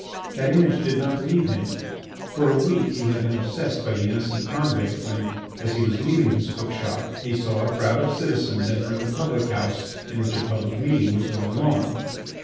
That image did not leave him. For a week he had been obsessed by the innocent convict, when, as he was leaving his cook shop, he saw a crowd of citizens entering a public house in which a public meeting was going on.